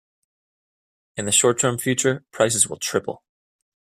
In the short term future, prices will triple.